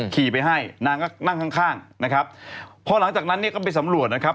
ขี่ไปให้นางก็นั่งข้างข้างนะครับพอหลังจากนั้นเนี่ยก็ไปสำรวจนะครับ